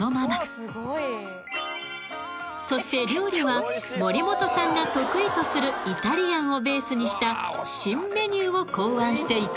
［そして料理は森本さんが得意とするイタリアンをベースにした新メニューを考案していた］